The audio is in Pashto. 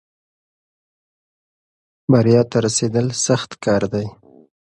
بریا ته رسېدل سخت کار دی.